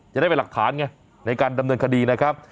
จะได้เป็นหลักฐานไงในการดำเนินคดีนะครับ